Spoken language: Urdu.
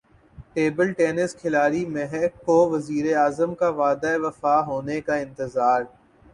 ٹیبل ٹینس کھلاڑی مہک کو وزیراعظم کا وعدہ وفا ہونے کا انتظار